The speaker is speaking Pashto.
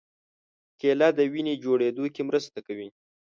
کېله د وینې جوړېدو کې مرسته کوي.